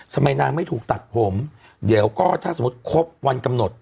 ทำไมนางไม่ถูกตัดผมเดี๋ยวก็ถ้าสมมุติครบวันกำหนด